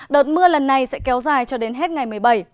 đợt mưa lần này sẽ kéo dài cho đến hết ngày một mươi bảy